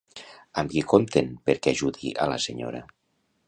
Amb qui compten perquè ajudi a la senyora.